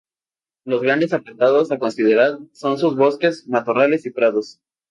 Los grandes apartados a considerar son sus bosques, matorrales y prados.